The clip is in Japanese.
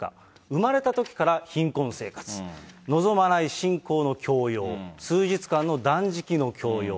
生まれたときから貧困生活、望まない信仰の強要、数日間の断食の強要。